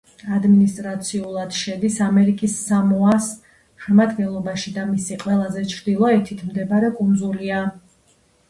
ადმინისტრაციულად შედის ამერიკის სამოას შემადგენლობაში და მისი ყველაზე ჩრდილოეთით მდებარე კუნძულია.